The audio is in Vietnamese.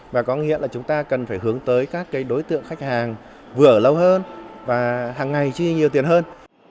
và có nghĩa là chúng ta cần phải hướng tới các đối tượng khách hàng vừa lâu hơn và hàng ngày chi nhiều tiền hơn